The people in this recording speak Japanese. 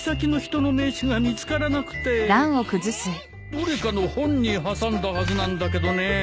どれかの本に挟んだはずなんだけどねえ。